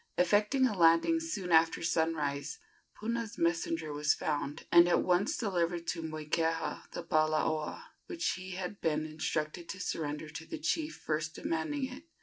Effecting a landing soon after sunrise, Puna's messenger was found, and at once delivered to Moikeha the palaoa, which he had been instructed to surrender to the chief first demanding it.